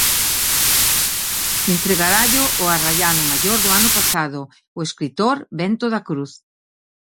Entregarallo o Arraiano Maior do ano pasado, o escritor Bento da Cruz.